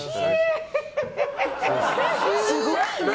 すごいね。